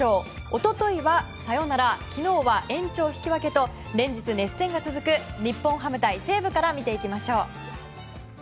一昨日は、サヨナラ昨日は延長引き分けと連日熱戦が続く日本ハム対西武から見ていきましょう。